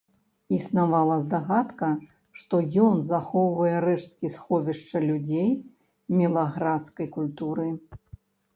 Існавала здагадка, што ён захоўвае рэшткі сховішча людзей мілаградскай культуры.